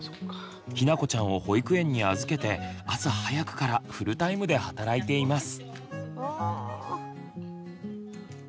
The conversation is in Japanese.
ひなこちゃんを保育園に預けて朝早くからフルタイムで働いています。